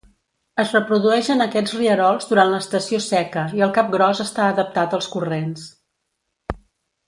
Es reprodueix en aquests rierols durant l'estació seca i el capgròs està adaptat als corrents.